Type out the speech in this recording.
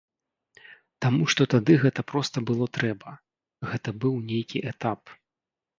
Таму што тады гэта проста было трэба, гэта быў нейкі этап.